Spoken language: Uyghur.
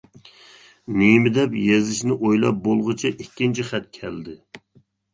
نېمە دەپ يېزىشنى ئويلاپ بولغۇچە ئىككىنچى خەت كەلدى.